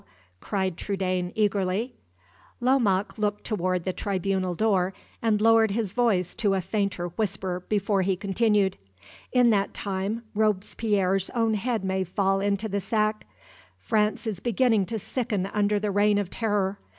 cried Trudaine, eagerly. Lomaque looked toward the tribunal door, and lowered his voice to a fainter whisper before he continued, "In that time Robespierre's own head may fall into the sack! France is beginning to sicken under the Reign of Terror.